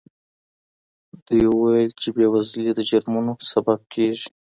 دوی وویل چې بې وزلي د جرمونو سبب کیږي.